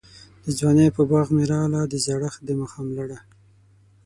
دځوانۍ په باغ می راغله، دزړښت دماښام لړه